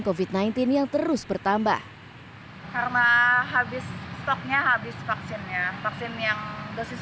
covid sembilan belas yang terus bertambah karena habis stoknya habis vaksinnya vaksin yang dosis